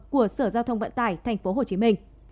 của sở giao thông vận tải thành phố hồ chí minh